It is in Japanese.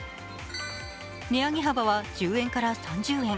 値上げ幅は１０円から３０円。